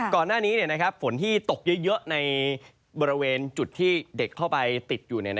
ก่อนหน้านี้ฝนที่ตกเยอะในบริเวณจุดที่เด็กเข้าไปติดอยู่